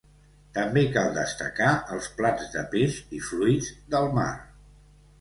També cal destacar els plats de peix i fruits del mar.